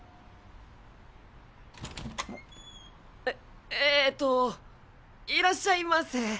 んっ。ええっといらっしゃいませ。